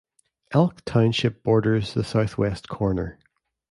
Elk Township borders the southwest corner.